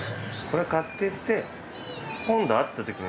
これ買っていって。